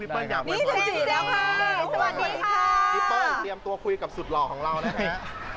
พี่เปิ้ลอยากมาพูดกันนะครับสวัสดีค่ะพี่เปิ้ลเตรียมตัวคุยกับสุดหล่อของเราแล้วนะฮะ